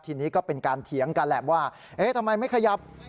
ทีนี้ก็เป็นการเถียงกันแหละว่าเอ๊ะทำไมไม่ขยับ